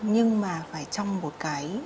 nhưng mà phải trong một cái